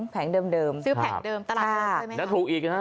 แผงเดิมซื้อแผงเดิมตลาดใช่ไหมแล้วถูกอีกฮะ